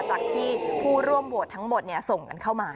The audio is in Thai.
จากที่ผู้ร่วมโหวตทั้งหมดส่งกันเข้ามา